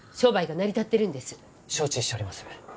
承知しております。